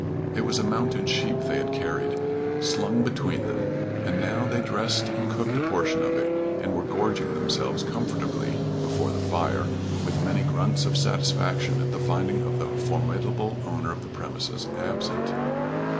It was a mountain sheep they had carried, slung between them, and now they dressed and cooked a portion of it, and were gorging themselves comfortably before the fire, with many grunts of satisfaction at the finding of the formidable owner of the premises absent.